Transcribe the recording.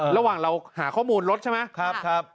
ระหว่างเราหาข้อมูลรถใช่ไหมครับครับ